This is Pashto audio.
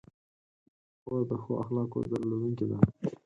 خور د ښو اخلاقو درلودونکې ده.